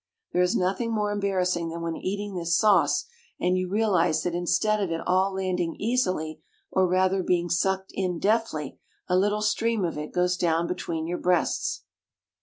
There is nothing more embarrassing than when eating this sauce, and you realise that instead of It all landing easily or rather being sucked in deftly a little stream of it goes down between your breasts.